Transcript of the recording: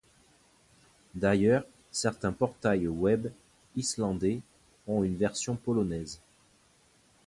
D'ailleurs, certains portails web islandais ont une version polonaise.